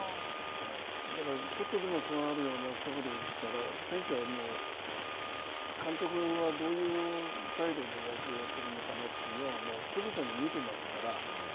だから、ちょっとでも不安があるようなそぶりをしたら、選手は監督はどういう態度で野球をやっているのかなというのはつぶさに見てますから。